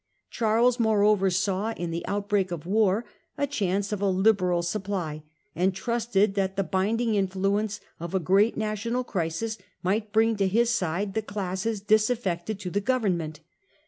Charles, moreover, saw in the outbreak of war a chance of a liberal supply, and trusted that the binding influence of a great national crisis might bring to his side the classes disaffected to the Government.